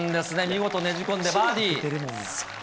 見事ねじ込んでバーディー。